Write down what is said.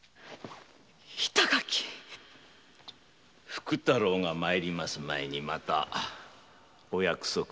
福太郎が参ります前にまたお約束を。